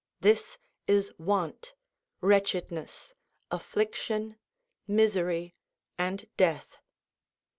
This is want, wretchedness, affliction, misery, and death.